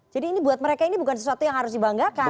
jadi ini buat mereka ini bukan sesuatu yang harus dibanggakan